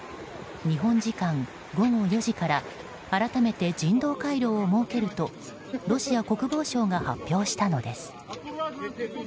日本時間午後４時から改めて人道回廊を設けるとロシア国防省が発表したのです。